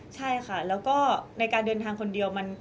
ใช่ค่ะแล้วก็ในการเดินทางคนเดียว